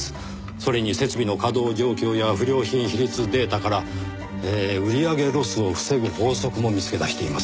それに設備の稼働状況や不良品比率データから売り上げロスを防ぐ法則も見つけ出していますよ。